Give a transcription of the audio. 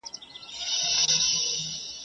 یو له بل څخه بېریږي که پردي دي که خپلوان دي.